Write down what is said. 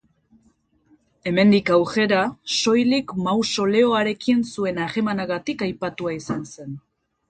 Hemendik aurrera, soilik mausoleoarekin zuen harremanagatik aipatua izan zen.